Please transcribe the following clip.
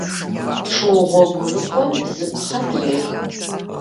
Шу гъуэгурыкӏуэм бзыпхъэ трех.